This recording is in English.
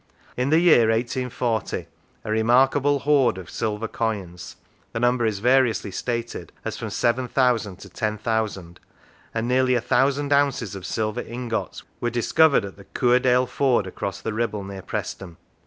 In the year 1840 a remarkable hoard of silver coins (the number is variously stated as from 7,000 to 10,000) and nearly a thousand ounces of silver ingots were discovered at the Cuerdale ford across the Kibble near Preston.